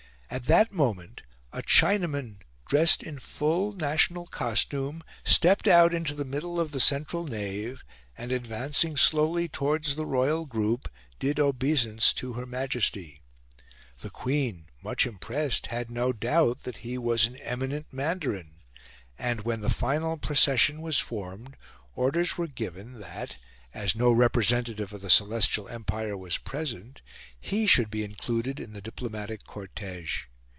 At that moment a Chinaman, dressed in full national costume, stepped out into the middle of the central nave, and, advancing slowly towards the royal group, did obeisance to Her Majesty. The Queen, much impressed, had no doubt that he was an eminent mandarin; and, when the final procession was formed, orders were given that, as no representative of the Celestial Empire was present, he should be included in the diplomatic cortege.